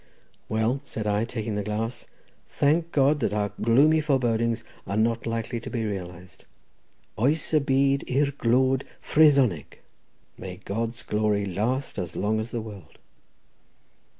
"Well," said I, taking the glass, "thank God that our gloomy forebodings are not likely to be realised. Oes y byd i'r glôd Frythoneg! May Britain's glory last as long as the world!"